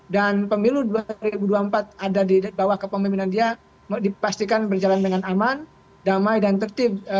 dan pemilu dua ribu dua puluh empat ada di bawah kepemimpinan dia dipastikan berjalan dengan aman damai dan tertib